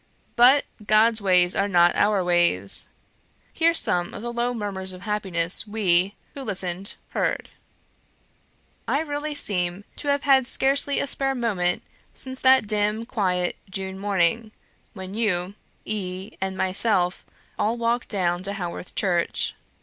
But God's ways are not as our ways! Hear some of the low murmurs of happiness we, who listened, heard: "I really seem to have had scarcely a spare moment since that dim quiet June morning, when you, E , and myself all walked down to Haworth Church.